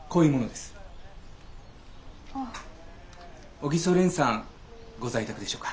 小木曽蓮さんご在宅でしょうか。